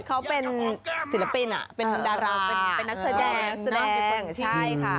เขาเป็นศิลปินเป็นดาราเป็นนักแคร์แดงแสดงใช่ค่ะ